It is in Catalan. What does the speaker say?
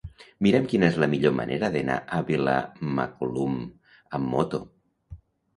Mira'm quina és la millor manera d'anar a Vilamacolum amb moto.